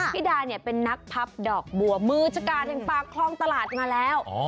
พี่ดาเป็นนักพับดอกบัวมือชะกาแทงปลาคลองตลาดมาแล้ว